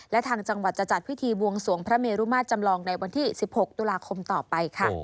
และทางจังหวัดจะจัดพิธีบวงสวงพระเมรุมาตรจำลองในวันที่๑๖ตุลาคมต่อไปค่ะ